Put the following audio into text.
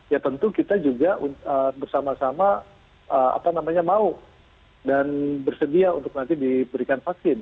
ya tentu kita juga bersama sama mau dan bersedia untuk nanti diberikan vaksin